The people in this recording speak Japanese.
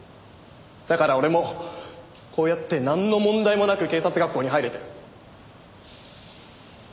だから俺もこうやってなんの問題もなく警察学校に入れてる。